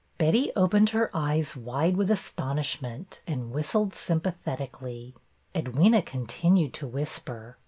Betty opened her eyes wide with astonishment and whistled sympathetically. Edwyna continued to whisper.